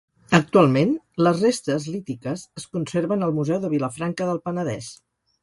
Actualment les restes lítiques es conserven al Museu de Vilafranca del Penedès.